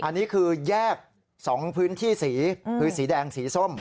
อันนี้คือแยก๒พื้นที่สีคือสีแดงสีส้ม